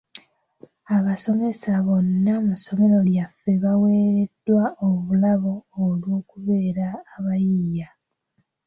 Abasomesa bonna mu ssomero lyaffe baaweereddwa obulabo olw'okubeera abayiiya.